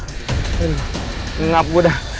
ngenap gue dah